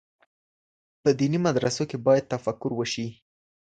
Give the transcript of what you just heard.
په ديني مدرسو کي بايد تفکر وسي.